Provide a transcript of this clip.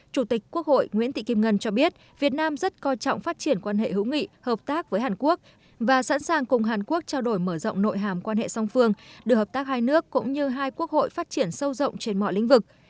chủ tịch quốc hội nguyễn thị kim ngân cho biết việt nam rất coi trọng phát triển quan hệ hữu nghị hợp tác với hàn quốc và sẵn sàng cùng hàn quốc trao đổi mở rộng nội hàm quan hệ song phương đưa hợp tác hai nước cũng như hai quốc hội phát triển sâu rộng trên mọi lĩnh vực